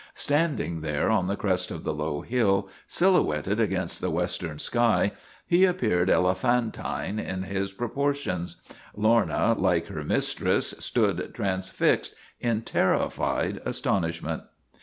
Standing there on the crest of the low hill, silhouetted against the western sky, he appeared elephantine in his proportions. Lorna, 262 LORNA OF THE BLACK EYE like her mistress, stood transfixed in terrified aston ishment.